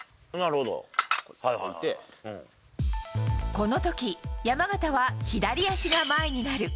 この時、山縣は左足が前になる。